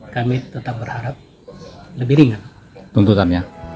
kami tetap berharap lebih ringan tuntutannya